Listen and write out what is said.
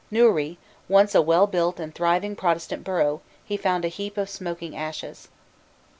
Newry, once a well built and thriving Protestant borough, he found a heap of smoking ashes.